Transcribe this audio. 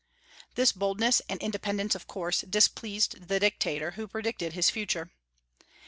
This boldness and independence of course displeased the Dictator, who predicted his future.